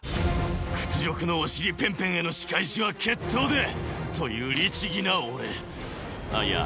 屈辱のお尻ペンペンへの仕返しは決闘でという律儀な俺あっいや